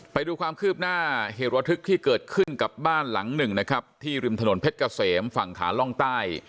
ไปดูความคืบหน้าเหตุระทึกที่เกิดขึ้นกับบ้านหลังหนึ่งนะครับที่ริมถนนเพชรเกษมฝั่งขาล่องใต้